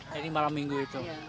dari malam minggu itu